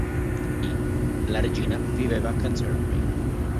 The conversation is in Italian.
I", la regina viveva a Canterbury.